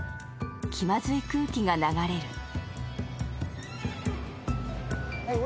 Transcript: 気まずい空気が流れる。